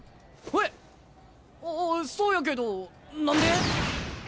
そうやけど何で？